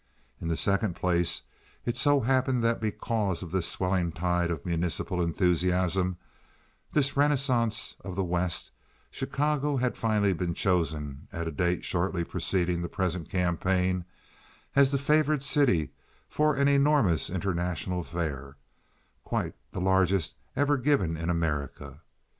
In the second place, it so happened that because of this swelling tide of municipal enthusiasm, this renaissance of the West, Chicago had finally been chosen, at a date shortly preceding the present campaign, as the favored city for an enormous international fair—quite the largest ever given in America.